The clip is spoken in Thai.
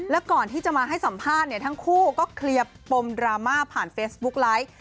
แล้วก่อนที่จะมาให้สัมภาษณ์เนี่ยทั้งคู่ก็เคลียร์ปมดราม่าผ่านเฟซบุ๊กไลฟ์